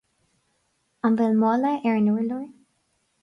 An bhfuil mála ar an urlár